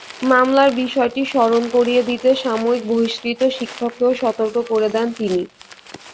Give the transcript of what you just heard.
মামলার বিষয়টি স্মরণ করিয়ে দিয়ে সাময়িক বহিষ্কৃত শিক্ষককেও সতর্ক করে দেন তিনি।